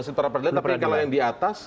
tapi kalau yang di atas